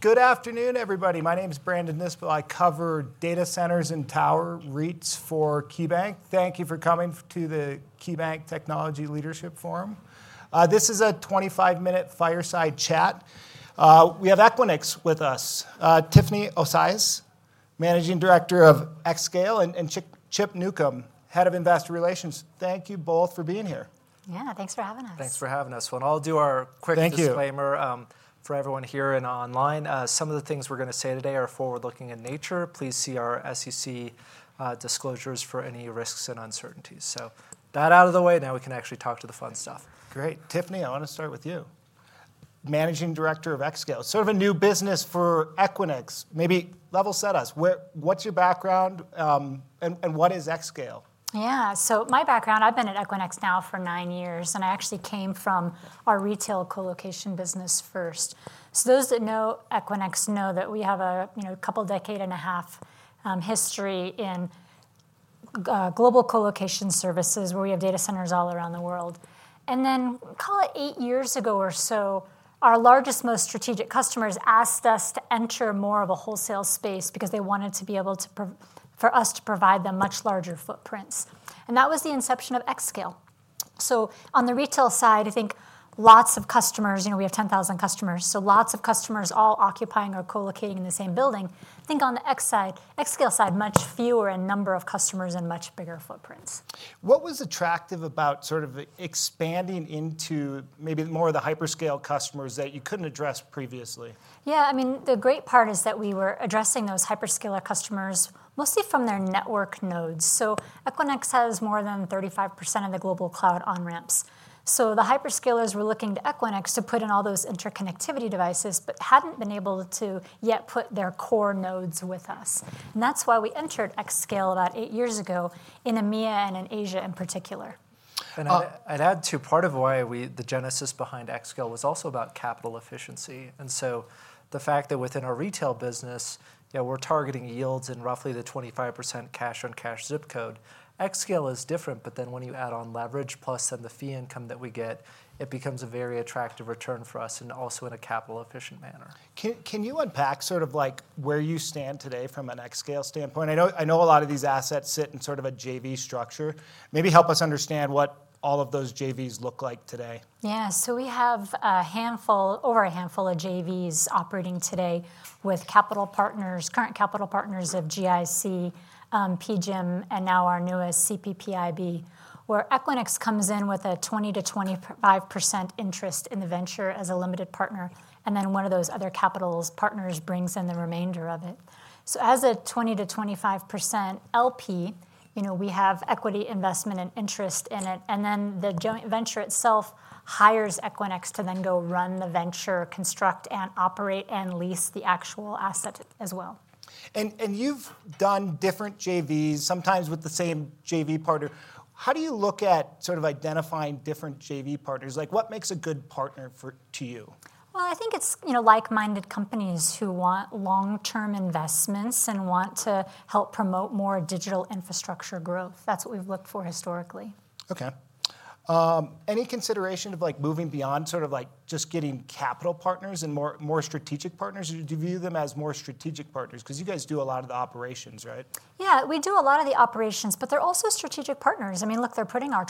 Good afternoon, everybody. My name is Brandon Nispel. I cover data centers and tower REITs for KeyBank. Thank you for coming to the KeyBank Technology Leadership Forum. This is a 25-minute fireside chat. We have Equinix with us, Tiffany Osias, Managing Director of xScale, and Chip Newcom, Head of Investor Relations. Thank you both for being here. Yeah, thanks for having us. Thanks for having us. I'll do our quick disclaimer for everyone here and online. Some of the things we're going to say today are forward-looking in nature. Please see our SEC disclosures for any risks and uncertainties. That out of the way, now we can actually talk to the fun stuff. Great. Tiffany, I want to start with you. Managing Director of xScale, sort of a new business for Equinix. Maybe level set us. What's your background and what is xScale? Yeah, so my background, I've been at Equinix now for nine years, and I actually came from our retail colocation business first. Those that know Equinix know that we have a couple decade and a half history in global colocation services where we have data centers all around the world. About eight years ago or so, our largest, most strategic customers asked us to enter more of a wholesale space because they wanted to be able for us to provide them much larger footprints. That was the inception of xScale. On the retail side, I think lots of customers, you know, we have 10,000 customers, so lots of customers all occupying or colocating in the same building. I think on the xScale side, much fewer in number of customers and much bigger footprints. What was attractive about sort of expanding into maybe more of the hyperscale customers that you couldn't address previously? Yeah, I mean, the great part is that we were addressing those hyperscale customers mostly from their network nodes. Equinix has more than 35% of the global cloud on-ramps. The hyperscalers were looking to Equinix to put in all those interconnectivity devices, but hadn't been able to yet put their core nodes with us. That's why we entered xScale about eight years ago in EMEA and in Asia in particular. I'd add to part of why the genesis behind xScale was also about capital efficiency. The fact that within our retail business, you know, we're targeting yields in roughly the 25% cash on cash zip code. xScale is different, but then when you add on leverage plus then the fee income that we get, it becomes a very attractive return for us and also in a capital efficient manner. Can you unpack sort of like where you stand today from an xScale standpoint? I know a lot of these assets sit in sort of a JV structure. Maybe help us understand what all of those JVs look like today. Yeah, we have a handful, over a handful of joint ventures operating today with capital partners, current capital partners of GIC, PGIM, and now our newest CPPIB, where Equinix comes in with a 20%-25% interest in the venture as a limited partner. One of those other capital partners brings in the remainder of it. As a 20%-25% LP, you know, we have equity investment and interest in it. The joint venture itself hires Equinix to then go run the venture, construct and operate and lease the actual asset as well. You've done different joint ventures, sometimes with the same joint venture partner. How do you look at identifying different joint venture partners? What makes a good partner to you? I think it's, you know, like-minded companies who want long-term investments and want to help promote more digital infrastructure growth. That's what we've looked for historically. Okay. Any consideration of moving beyond just getting capital partners and more strategic partners? Or do you view them as more strategic partners? Because you guys do a lot of the operations, right? Yeah, we do a lot of the operations, but they're also strategic partners. I mean, look, they're putting their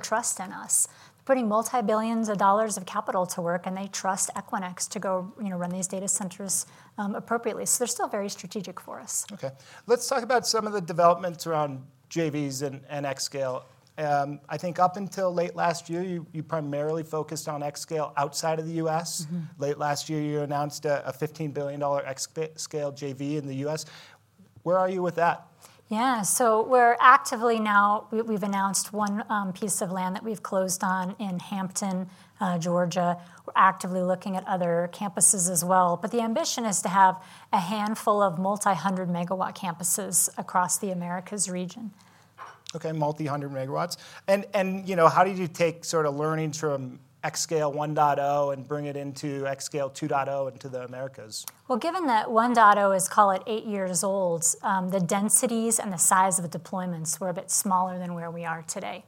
trust in us, putting multi-billions of dollars of capital to work, and they trust Equinix to go, you know, run these data centers appropriately. They're still very strategic for us. Okay. Let's talk about some of the developments around JVs and xScale. I think up until late last year, you primarily focused on xScale outside of the U.S. Late last year, you announced a $15 billion xScale joint venture in the U.S. Where are you with that? Yeah, so we're actively now, we've announced one piece of land that we've closed on in Hampton, Georgia, actively looking at other campuses as well. The ambition is to have a handful of multi-hundred MW campuses across the Americas region. Okay, multi-hundred megawatts. How did you take sort of learnings from xScale 1.0 and bring it into xScale 2.0 into the Americas? Given that 1.0 is, call it, eight years old, the densities and the size of the deployments were a bit smaller than where we are today.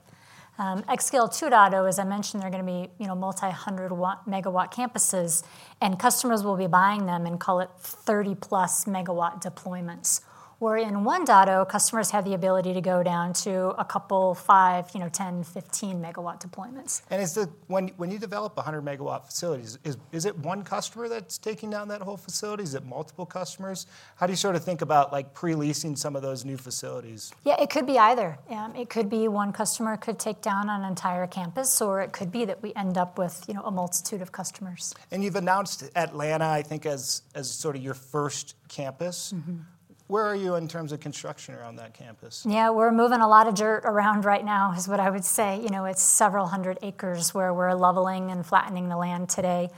xScale 2.0, as I mentioned, they're going to be, you know, multi-hundred megawatt campuses, and customers will be buying them in, call it, 30+ MW deployments. Where in 1.0, customers have the ability to go down to a couple, five, you know, 10, 15 MW deployments. When you develop a 100 MW facility, is it one customer that's taking down that whole facility? Is it multiple customers? How do you sort of think about pre-leasing some of those new facilities? Yeah, it could be either. It could be one customer could take down an entire campus, or it could be that we end up with, you know, a multitude of customers. You've announced Atlanta, I think, as sort of your first campus. Where are you in terms of construction around that campus? Yeah, we're moving a lot of dirt around right now, is what I would say. It's several hundred acres where we're leveling and flattening the land today.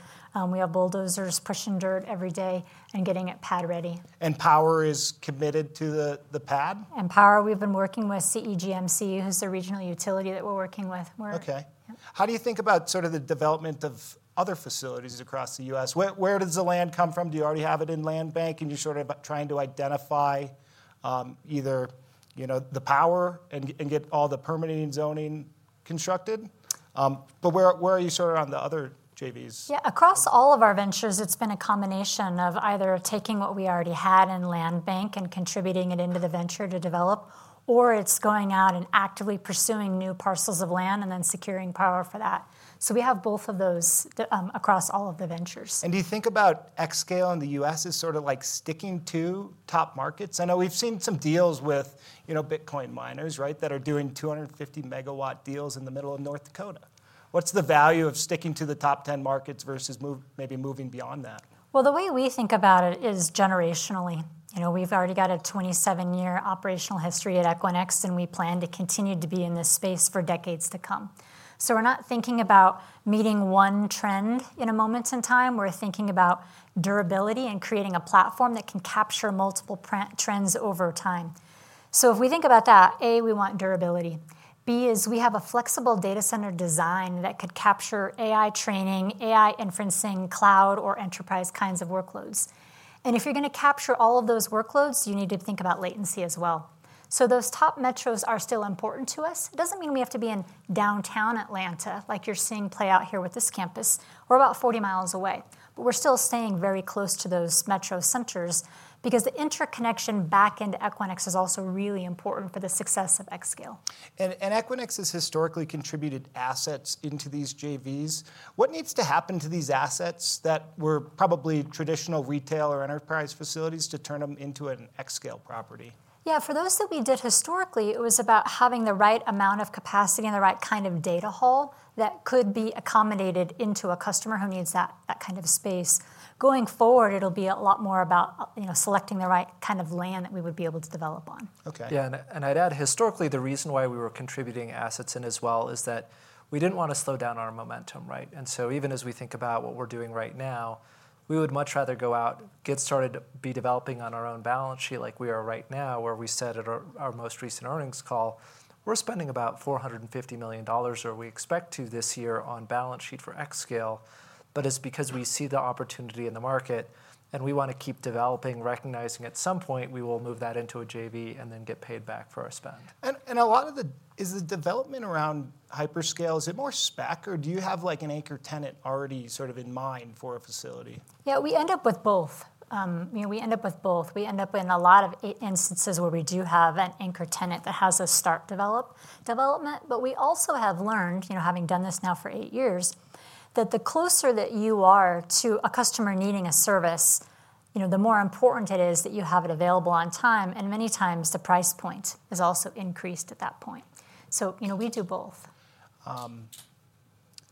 We have bulldozers pushing dirt every day and getting it pad ready. Is power committed to the pad? Power, we've been working with CEGMC, who's the regional utility that we're working with. Okay. How do you think about sort of the development of other facilities across the U.S.? Where does the land come from? Do you already have it in land bank and you're sort of trying to identify either the power and get all the permitting and zoning constructed? Where are you sort of on the other JVs? Yeah, across all of our ventures, it's been a combination of either taking what we already had in land bank and contributing it into the venture to develop, or it's going out and actively pursuing new parcels of land and then securing power for that. We have both of those across all of the ventures. Do you think about xScale in the U.S. as sort of like sticking to top markets? I know we've seen some deals with, you know, Bitcoin miners, right, that are doing 250 MW deals in the middle of North Dakota. What's the value of sticking to the top 10 markets versus maybe moving beyond that? The way we think about it is generationally. You know, we've already got a 27-year operational history at Equinix and we plan to continue to be in this space for decades to come. We're not thinking about meeting one trend in a moment in time. We're thinking about durability and creating a platform that can capture multiple trends over time. If we think about that, A, we want durability. B is we have a flexible data center design that could capture AI training, AI inferencing, cloud, or enterprise kinds of workloads. If you're going to capture all of those workloads, you need to think about latency as well. Those top metros are still important to us. It doesn't mean we have to be in downtown Atlanta like you're seeing play out here with this campus. We're about 40 mi away. We're still staying very close to those metro centers because the interconnection back into Equinix is also really important for the success of xScale. Equinix has historically contributed assets into these joint ventures. What needs to happen to these assets that were probably traditional retail or enterprise facilities to turn them into an xScale property? Yeah, for those that we did historically, it was about having the right amount of capacity and the right kind of data hall that could be accommodated into a customer who needs that kind of space. Going forward, it'll be a lot more about selecting the right kind of land that we would be able to develop on. Okay. Yeah, and I'd add historically the reason why we were contributing assets in as well is that we didn't want to slow down our momentum, right? Even as we think about what we're doing right now, we would much rather go out, get started, be developing on our own balance sheet like we are right now where we said at our most recent earnings call, we're spending about $450 million or we expect to this year on balance sheet for xScale, but it's because we see the opportunity in the market and we want to keep developing, recognizing at some point we will move that into a JV and then get paid back for our spend. A lot of the development around hyperscale, is it more spec or do you have like an anchor tenant already sort of in mind for a facility? Yeah, we end up with both. We end up in a lot of instances where we do have an anchor tenant that has a start development, but we also have learned, having done this now for eight years, that the closer that you are to a customer needing a service, the more important it is that you have it available on time, and many times the price point is also increased at that point. We do both.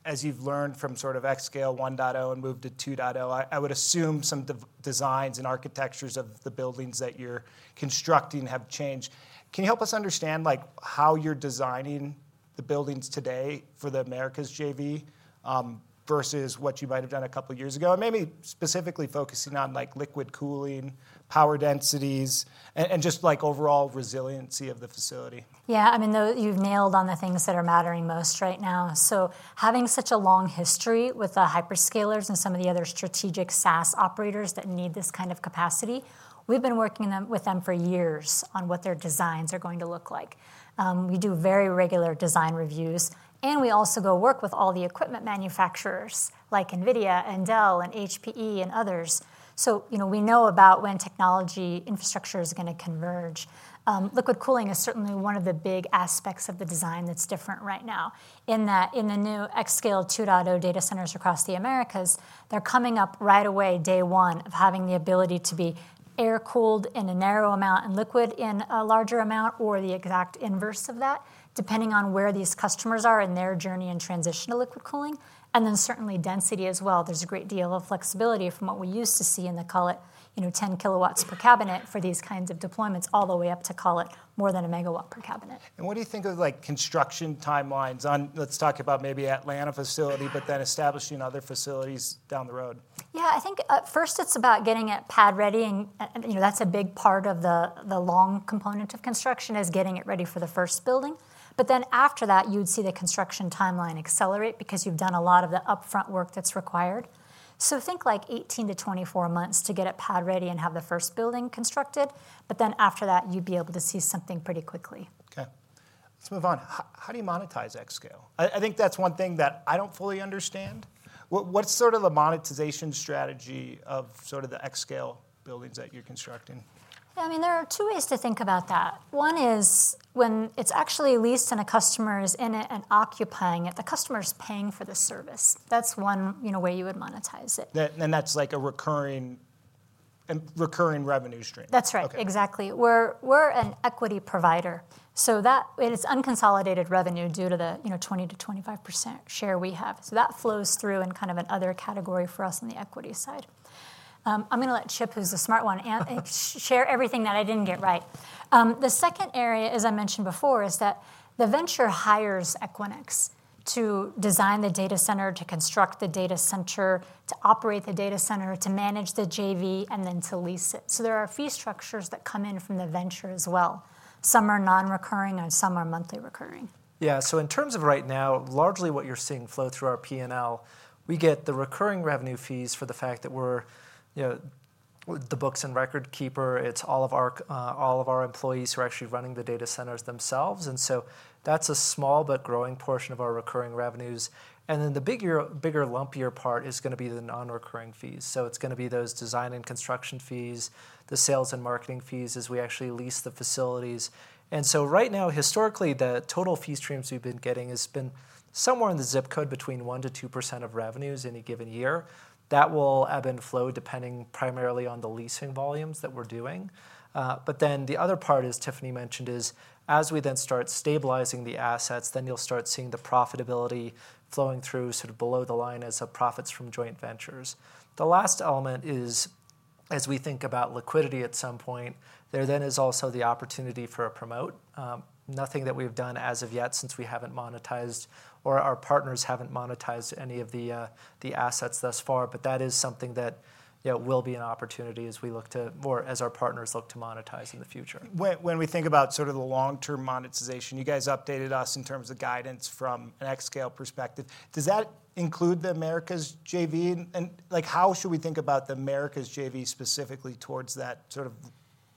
As you've learned from sort of xScale 1.0 and moved to 2.0, I would assume some designs and architectures of the buildings that you're constructing have changed. Can you help us understand how you're designing the buildings today for the Americas JV versus what you might have done a couple of years ago? Maybe specifically focusing on liquid cooling, power densities, and just overall resiliency of the facility. Yeah, I mean, you've nailed on the things that are mattering most right now. Having such a long history with the hyperscalers and some of the other strategic SaaS operators that need this kind of capacity, we've been working with them for years on what their designs are going to look like. We do very regular design reviews, and we also go work with all the equipment manufacturers like NVIDIA and Dell and HPE and others. We know about when technology infrastructure is going to converge. Liquid cooling is certainly one of the big aspects of the design that's different right now. In the new xScale 2.0 data centers across the Americas, they're coming up right away day one of having the ability to be air cooled in a narrow amount and liquid in a larger amount or the exact inverse of that, depending on where these customers are in their journey and transition to liquid cooling. Certainly density as well. There's a great deal of flexibility from what we used to see in the, call it, 10 kW per cabinet for these kinds of deployments all the way up to, call it, more than a megawatt per cabinet. What do you think of construction timelines on, let's talk about maybe the Atlanta facility, but then establishing other facilities down the road? Yeah, I think first it's about getting it pad ready, and you know, that's a big part of the long component of construction, getting it ready for the first building. After that, you'd see the construction timeline accelerate because you've done a lot of the upfront work that's required. Think like 18-24 months to get it pad ready and have the first building constructed. After that, you'd be able to see something pretty quickly. Okay. Let's move on. How do you monetize xScale? I think that's one thing that I don't fully understand. What's sort of the monetization strategy of sort of the xScale buildings that you're constructing? Yeah, I mean, there are two ways to think about that. One is when it's actually leased and a customer is in it and occupying it, the customer is paying for the service. That's one way you would monetize it. That's like a recurring revenue stream. That's right. Exactly. We're an equity provider. That is unconsolidated revenue due to the, you know, 20-25% share we have. That flows through in kind of another category for us on the equity side. I'm going to let Chip, who's the smart one, share everything that I didn't get right. The second area, as I mentioned before, is that the venture hires Equinix to design the data center, to construct the data center, to operate the data center, to manage the JV, and then to lease it. There are fee structures that come in from the venture as well. Some are non-recurring and some are monthly recurring. Yeah, so in terms of right now, largely what you're seeing flow through our P&L, we get the recurring revenue fees for the fact that we're, you know, the books and record keeper. It's all of our employees who are actually running the data centers themselves. That's a small but growing portion of our recurring revenues. The bigger, lumpier part is going to be the non-recurring fees. It's going to be those design and construction fees, the sales and marketing fees as we actually lease the facilities. Right now, historically, the total fee streams we've been getting has been somewhere in the zip code between 1%-2% of revenues any given year. That will ebb and flow depending primarily on the leasing volumes that we're doing. The other part, as Tiffany mentioned, is as we then start stabilizing the assets, you'll start seeing the profitability flowing through sort of below the line as the profits from joint ventures. The last element is, as we think about liquidity at some point, there then is also the opportunity for a promote. Nothing that we've done as of yet since we haven't monetized or our partners haven't monetized any of the assets thus far, but that is something that will be an opportunity as we look to, or as our partners look to monetize in the future. When we think about sort of the long-term monetization, you guys updated us in terms of guidance from an xScale perspective. Does that include the Americas JV? How should we think about the Americas JV specifically towards that sort of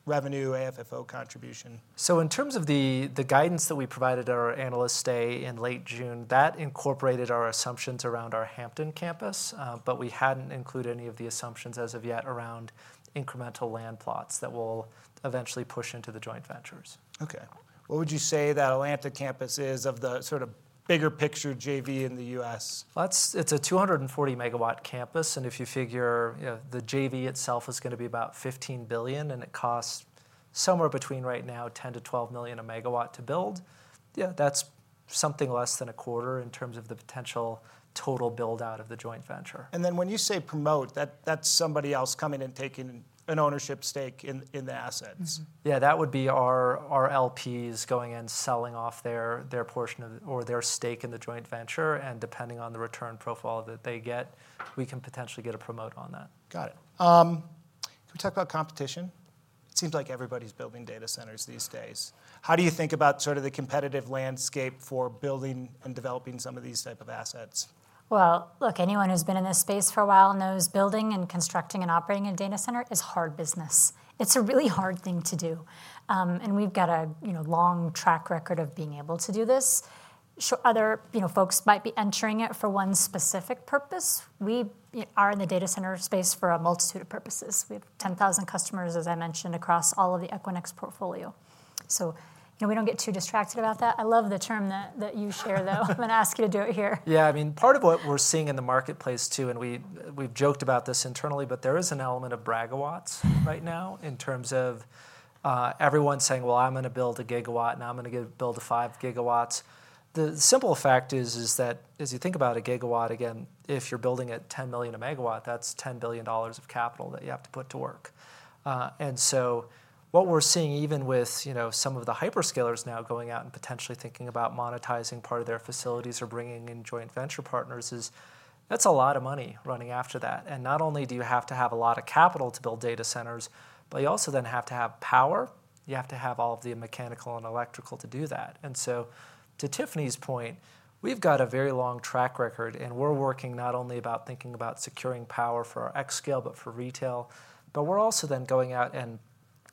revenue AFFO contribution? In terms of the guidance that we provided at our analysts' day in late June, that incorporated our assumptions around our Hampton campus, but we hadn't included any of the assumptions as of yet around incremental land plots that we'll eventually push into the joint ventures. Okay. What would you say that Atlanta campus is of the sort of bigger picture JV in the U.S.? It's a 240 MW campus, and if you figure, you know, the JV itself is going to be about $15 billion, and it costs somewhere between right now $10 million-$12 million a megawatt to build. That's something less than a quarter in terms of the potential total build-out of the joint venture. When you say promote, that's somebody else coming and taking an ownership stake in the assets. Yeah, that would be our limited partners going in, selling off their portion of their stake in the joint venture, and depending on the return profile that they get, we can potentially get a promote on that. Got it. Can we talk about competition? It seems like everybody's building data centers these days. How do you think about sort of the competitive landscape for building and developing some of these types of assets? Anyone who's been in this space for a while knows building, constructing, and operating a data center is hard business. It's a really hard thing to do, and we've got a long track record of being able to do this. Other folks might be entering it for one specific purpose. We are in the data center space for a multitude of purposes. We have 10,000 customers, as I mentioned, across all of the Equinix portfolio. You know, we don't get too distracted about that. I love the term that you share, though. I'm going to ask you to do it here. Yeah, I mean, part of what we're seeing in the marketplace, too, and we've joked about this internally, but there is an element of braggawatts right now in terms of everyone saying, well, I'm going to build a gigawatt and I'm going to build five gigawatts. The simple fact is that as you think about a gigawatt, again, if you're building at $10 million a megawatt, that's $10 billion of capital that you have to put to work. What we're seeing even with, you know, some of the hyperscalers now going out and potentially thinking about monetizing part of their facilities or bringing in joint venture partners is that's a lot of money running after that. Not only do you have to have a lot of capital to build data centers, but you also then have to have power. You have to have all of the mechanical and electrical to do that. To Tiffany's point, we've got a very long track record and we're working not only about thinking about securing power for our xScale, but for retail, but we're also then going out and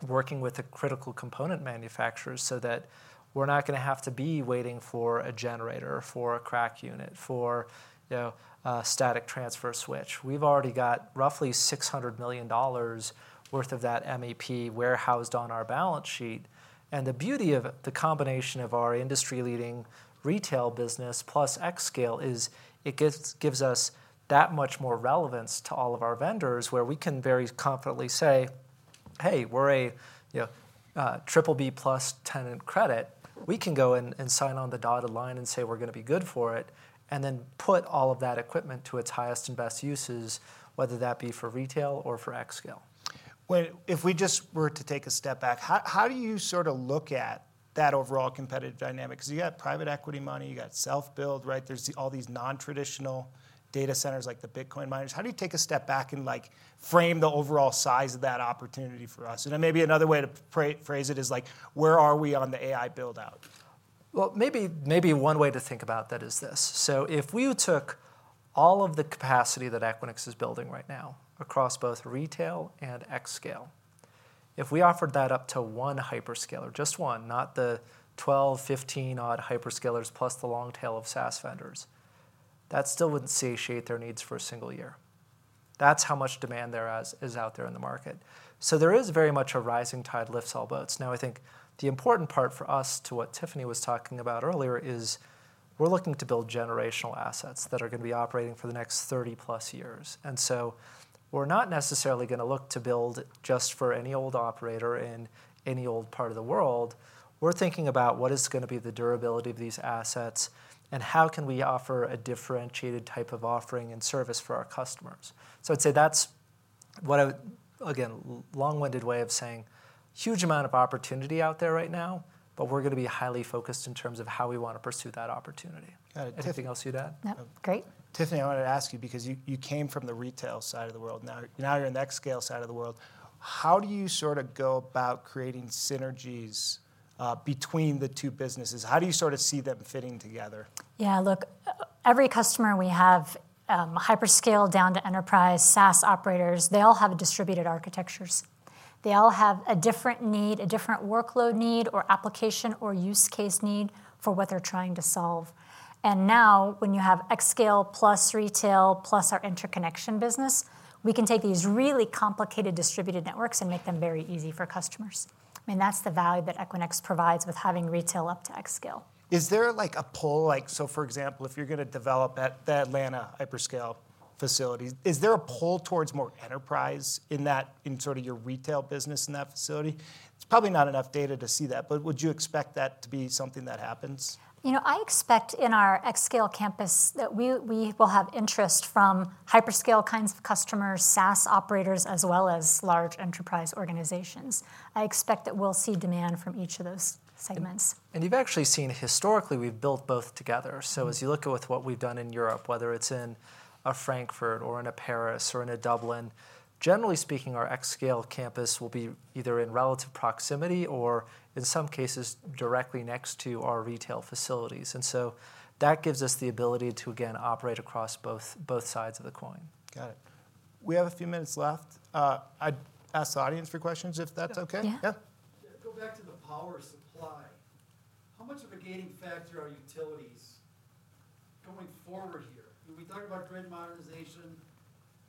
working with the critical component manufacturers so that we're not going to have to be waiting for a generator, for a CRAC unit, for, you know, a static transfer switch. We've already got roughly $600 million worth of that MEP warehoused on our balance sheet. The beauty of the combination of our industry-leading retail business plus xScale is it gives us that much more relevance to all of our vendors where we can very confidently say, hey, we're a BBB+ tenant credit. We can go and sign on the dotted line and say we're going to be good for it and then put all of that equipment to its highest and best uses, whether that be for retail or for xScale. If we just were to take a step back, how do you sort of look at that overall competitive dynamic? You got private equity money, you got self-build, right? There's all these non-traditional data centers like the Bitcoin miners. How do you take a step back and like frame the overall size of that opportunity for us? Maybe another way to phrase it is like, where are we on the AI build-out? Maybe one way to think about that is this. If we took all of the capacity that Equinix is building right now across both retail and xScale, if we offered that up to one hyperscaler, just one, not the 12, 15 odd hyperscalers plus the long tail of SaaS vendors, that still wouldn't satiate their needs for a single year. That's how much demand there is out there in the market. There is very much a rising tide lifts all boats. I think the important part for us, to what Tiffany was talking about earlier, is we're looking to build generational assets that are going to be operating for the next 30+ years. We're not necessarily going to look to build just for any old operator in any old part of the world. We're thinking about what is going to be the durability of these assets and how can we offer a differentiated type of offering and service for our customers. I'd say that's a long-winded way of saying a huge amount of opportunity out there right now, but we're going to be highly focused in terms of how we want to pursue that opportunity. Anything else you'd add? No, great. Tiffany, I wanted to ask you because you came from the retail side of the world. Now you're in the xScale side of the world. How do you sort of go about creating synergies between the two businesses? How do you sort of see them fitting together? Yeah, look, every customer we have, hyperscale down to enterprise, SaaS operators, they all have distributed architectures. They all have a different need, a different workload need or application or use case need for what they're trying to solve. Now when you have xScale plus retail plus our interconnection business, we can take these really complicated distributed networks and make them very easy for customers. That's the value that Equinix provides with having retail up to xScale. Is there like a pull, like for example, if you're going to develop the Atlanta hyperscale facility, is there a pull towards more enterprise in that, in sort of your retail business in that facility? It's probably not enough data to see that, but would you expect that to be something that happens? You know, I expect in our xScale campus that we will have interest from hyperscale kinds of customers, SaaS operators, as well as large enterprise organizations. I expect that we'll see demand from each of those segments. You've actually seen historically we've built both together. As you look at what we've done in Europe, whether it's in a Frankfurt or in a Paris or in a Dublin, generally speaking, our xScale campus will be either in relative proximity or in some cases directly next to our retail facilities. That gives us the ability to again operate across both sides of the coin. Got it. We have a few minutes left. I'd ask the audience for questions if that's okay. Yeah. Go back to the power supply. How much of a gating factor are utilities going forward here? We've been talking about grid modernization.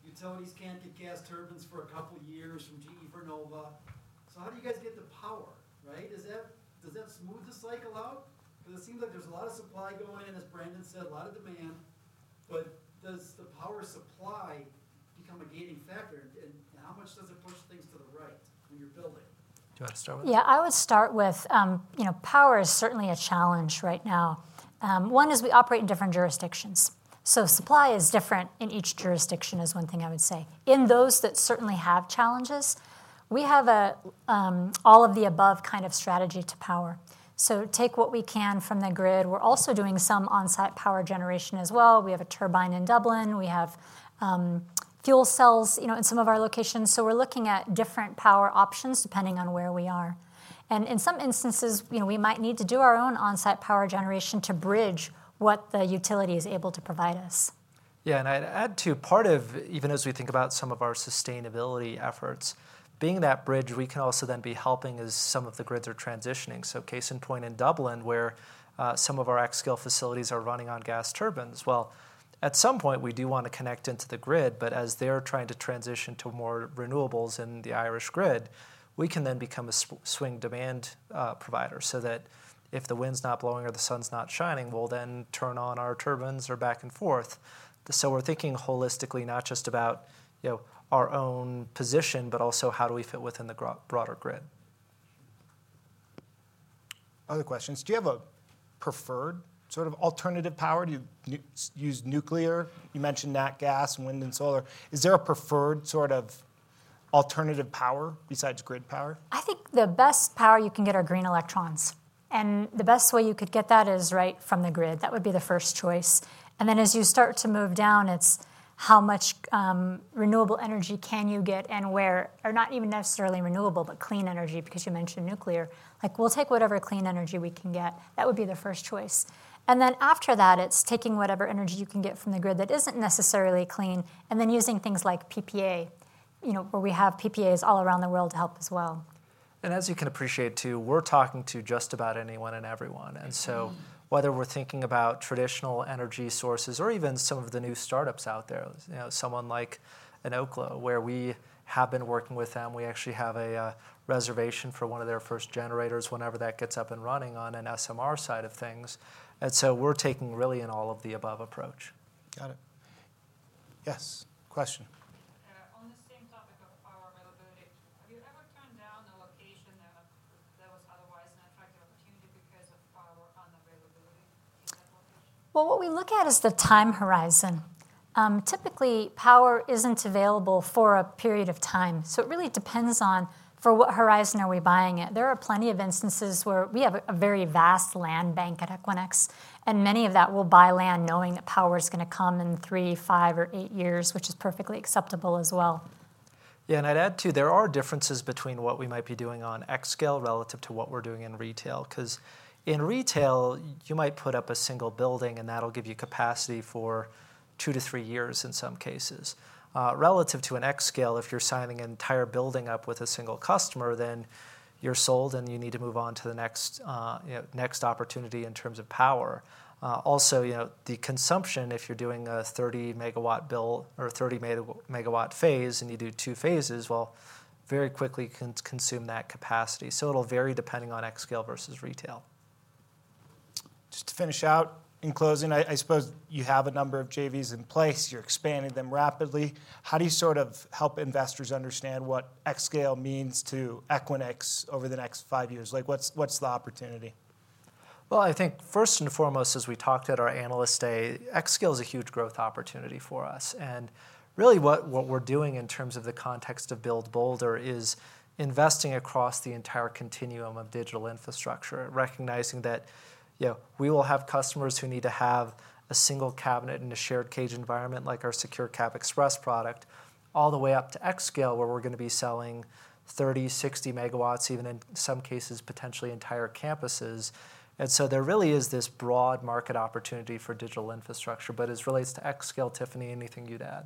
Utilities can't do gas turbines for a couple of years from Geneva Nova. How do you guys get the power, right? Does that smooth the cycle out? It seems like there's a lot of supply going in, as Brandon said, a lot of demand. Does the power supply become a gating factor? How much does it push things to the right when you're building it? Yeah, I would start with, you know, power is certainly a challenge right now. One is we operate in different jurisdictions. Supply is different in each jurisdiction, is one thing I would say. In those that certainly have challenges, we have all of the above kind of strategy to power. Take what we can from the grid. We're also doing some onsite power generation as well. We have a turbine in Dublin. We have fuel cells, you know, in some of our locations. We're looking at different power options depending on where we are. In some instances, you know, we might need to do our own onsite power generation to bridge what the utility is able to provide us. Yeah, and I'd add to part of even as we think about some of our sustainability efforts, being that bridge, we can also then be helping as some of the grids are transitioning. Case in point, in Dublin where some of our xScale facilities are running on gas turbines. At some point we do want to connect into the grid, but as they're trying to transition to more renewables in the Irish grid, we can then become a swing demand provider so that if the wind's not blowing or the sun's not shining, we'll then turn on our turbines or back and forth. We're thinking holistically, not just about, you know, our own position, but also how do we fit within the broader grid. Other questions. Do you have a preferred sort of alternative power? Do you use nuclear? You mentioned nat gas and wind and solar. Is there a preferred sort of alternative power besides grid power? I think the best power you can get are green electrons. The best way you could get that is right from the grid. That would be the first choice. As you start to move down, it's how much renewable energy you can get and where, or not even necessarily renewable, but clean energy because you mentioned nuclear. We'll take whatever clean energy we can get. That would be the first choice. After that, it's taking whatever energy you can get from the grid that isn't necessarily clean and then using things like PPA, you know, where we have PPAs all around the world to help as well. As you can appreciate too, we're talking to just about anyone and everyone. Whether we're thinking about traditional energy sources or even some of the new startups out there, you know, someone like Oklo where we have been working with them, we actually have a reservation for one of their first generators whenever that gets up and running on a small modular reactor side of things. We're taking really an all of the above approach. Got it. Yes, question. On the same topic of power availability, have you ever turned down an allocation that was otherwise an attractive opportunity because of power unavailability? What we look at is the time horizon. Typically, power isn't available for a period of time. It really depends on for what horizon are we buying it. There are plenty of instances where we have a very vast land bank at Equinix, and many of that will buy land knowing that power is going to come in three, five, or eight years, which is perfectly acceptable as well. Yeah, and I'd add to there are differences between what we might be doing on xScale relative to what we're doing in retail, because in retail you might put up a single building and that'll give you capacity for two to three years in some cases. Relative to an xScale, if you're signing an entire building up with a single customer, then you're sold and you need to move on to the next opportunity in terms of power. Also, the consumption, if you're doing a 30 MW build or 30 MW phase and you do two phases, will very quickly consume that capacity. It will vary depending on xScale versus retail. Just to finish out, in closing, I suppose you have a number of JVs in place, you're expanding them rapidly. How do you sort of help investors understand what xScale means to Equinix over the next five years? Like what's the opportunity? First and foremost, as we talked at our Analyst Day, xScale is a huge growth opportunity for us. What we're doing in terms of the context of Build Boulder is investing across the entire continuum of digital infrastructure, recognizing that we will have customers who need to have a single cabinet in a shared cage environment like our secure CapEx Rust product, all the way up to xScale where we're going to be selling 30, 60 MW, even in some cases potentially entire campuses. There really is this broad market opportunity for digital infrastructure, but as it relates to xScale, Tiffany, anything you'd add?